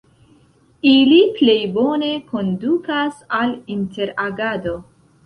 Ili plej bone kondukas al interagado.